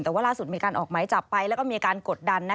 แต่ว่าล่าสุดมีการออกไม้จับไปก็มีการกดดัน